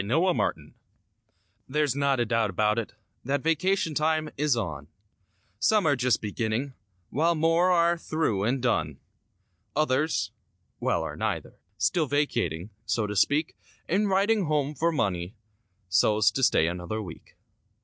VACATION TIME There's not a doubt about it That vacation time is on: Some are just beginning While more are through and done; Others,—well, are neither— 71 Still vacating—so tO' speak, And writing home for money So's to stay another week.